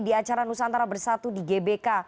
di acara nusantara bersatu di gbk